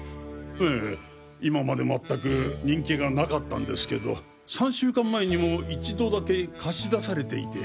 ええ今までまったく人気がなかったんですけど３週間前にも一度だけ貸し出されていて。